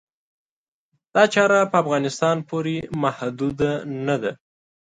دا چاره په افغانستان پورې محدوده نه ده.